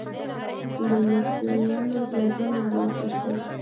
د مصریانو پلازمېنه رامنځته شوه.